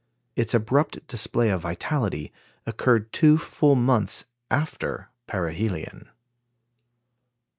Its abrupt display of vitality occurred two full months after perihelion.